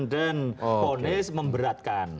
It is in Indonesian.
dan ponis memberatkan